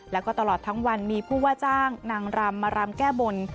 แล้วก็ตลอดทั้งวันมีผู้ว่าจ้างนางรำมารำแก้บน